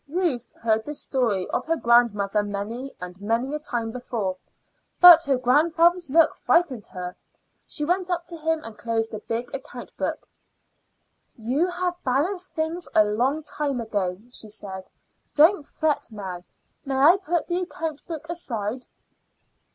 Ruth had heard this story of her grandmother many and many a time before, but her grandfather's look frightened her. She went up to him and closed the big account book. "You have balanced things a long time ago," she said. "Don't fret now. May I put the account book aside?"